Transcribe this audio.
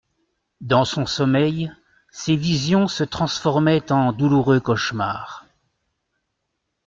Dans son sommeil, ces visions se transformaient en douloureux cauchemars.